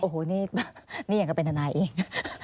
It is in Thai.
โอ้โหนี่ยังเป็นทนายเอง